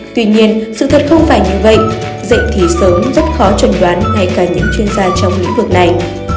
tuy nhiên sự thật không phải như vậy dạy thì sớm rất khó chuẩn đoán ngay cả những chuyên gia trong lĩnh vực này